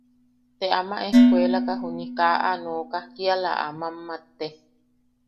Ta ama ejkuelaka juni kaa aa nooka kiala a mammate.